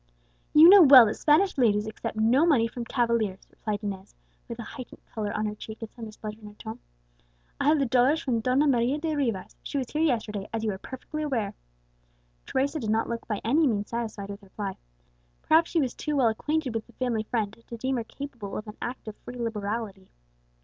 "You know well that Spanish ladies accept no money from cavaliers," replied Inez, with a heightened colour on her cheek and some displeasure in her tone. "I had the dollars from Donna Maria de Rivas; she was here yesterday, as you are perfectly aware." Teresa did not look by any means satisfied with the reply; perhaps she was too well acquainted with the family friend to deem her capable of an act of free liberality.